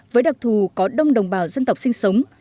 với đặc thù có đông đồng bào dân tộc sinh sống